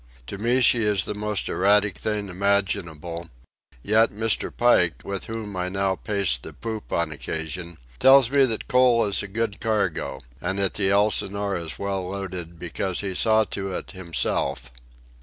To me she is the most erratic thing imaginable; yet Mr. Pike, with whom I now pace the poop on occasion, tells me that coal is a good cargo, and that the Elsinore is well loaded because he saw to it himself.